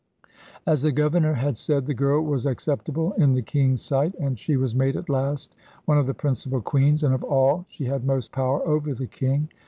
As the governor had said, the girl was acceptable in the king's sight, and she was made at last one of the principal queens, and of all she had most power over the king.